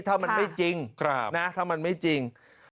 ถ้ามันไม่จริงถ้ามันไม่จริง